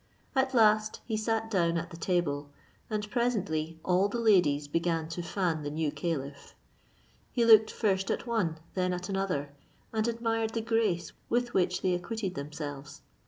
At last he sat down at the table, and presently all the ladies began to fan the new caliph. He looked first at one, then at another, and admired the grace with which they acquitted themselves.